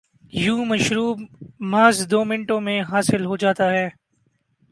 یوں مشروب محض دومنٹوں میں حاصل ہوجاتا ہے۔